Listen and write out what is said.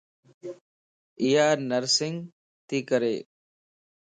ايانرسنگ تي ڪري